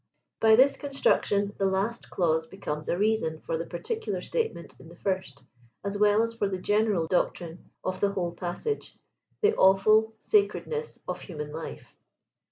By this construction the last clause be comes a reason for the particular statement in the first, as well as for the general doctrine of the whole passage — the awful sa credness of human life.